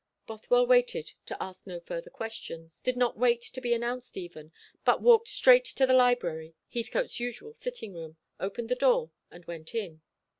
Bothwell waited to ask no further questions, did not wait to be announced even, but walked straight to the library, Heathcote's usual sitting room, opened the door, and went in.